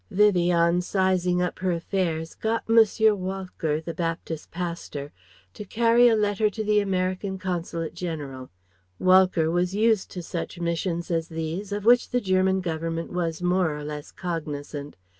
Vivie, on sizing up her affairs, got Monsieur Walcker, the Baptist pasteur, to convey a letter to the American Consulate General. Walcker was used to such missions as these, of which the German Government was more or less cognizant.